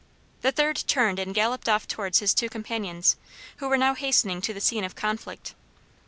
The third turned and galloped off towards his two companions, who were now hastening to the scene of conflict.